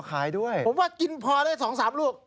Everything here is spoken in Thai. อ๋อขายด้วยผมว่ากินพอเลย๒๓ลูก